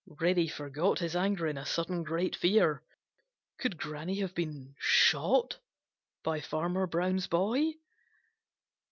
Reddy forgot his anger in a sudden great fear. Could Granny have been shot by Farmer Brown's boy?